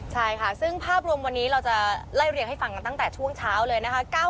ใช่ค่ะซึ่งภาพรวมวันนี้เราจะไล่เรียงให้ฟังกันตั้งแต่ช่วงเช้าเลยนะคะ